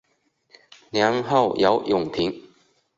年号有永平。